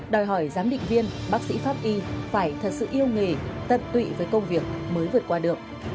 đòi hỏi giám định viên bác sĩ pháp y phải thật sự yêu nghề tận tụy với công việc mới vượt qua được